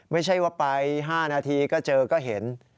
ไม่ใช่ว่าไป๕นาทีก็เจอก็เห็น